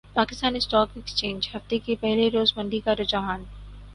Pakistan stock exchange ہفتے کے پہلے روز مندی کا رحجان